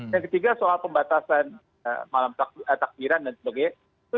yang ketiga soal pembatasan malam takbiran dan sebagainya